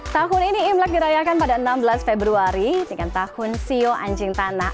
tahun ini imlek dirayakan pada enam belas februari dengan tahun sio anjing tanah